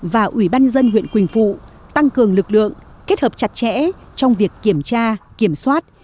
và ubnd huyện quỳnh phụ tăng cường lực lượng kết hợp chặt chẽ trong việc kiểm tra kiểm soát